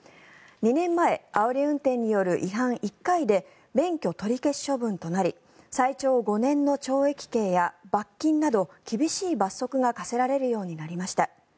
２年前あおり運転による違反１回で免許取り消し処分となり最長５年の懲役刑や罰金など厳しい罰則が科せられるようになりました。